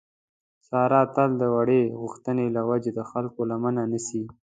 ساره تل د وړې غوښتنې له وجې د خلکو لمنه نیسي.